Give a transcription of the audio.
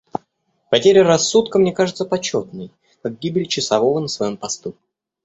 Потеря рассудка мне кажется почетной, как гибель часового на своем посту.